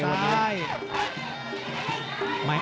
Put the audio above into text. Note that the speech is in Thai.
แข่งซ้าย